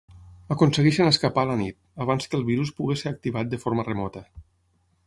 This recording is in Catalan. Aconsegueixen escapar a la nit, abans que el virus pugui ser activat de forma remota.